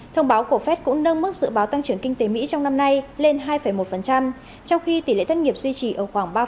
thông báo của fed cũng nâng mức dự báo tăng trưởng kinh tế mỹ trong năm nay lên hai một trong khi tỷ lệ thất nghiệp duy trì ở khoảng ba mươi